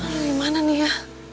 aduh dimana nih ya